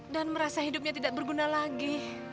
merasa hidupnya tidak berguna lagi